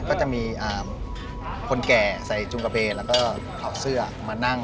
ก็จะมีคนแก่ใส่จุงกระเบนแล้วก็เอาเสื้อมานั่ง